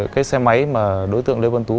cái xe máy mà đối tượng lê văn tú